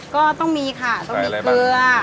ก็ต้องมีค่ะต้องมีเกลือ